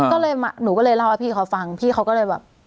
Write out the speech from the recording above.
ก็เลยหนูก็เลยเล่าให้พี่เขาฟังพี่เขาก็เลยแบบ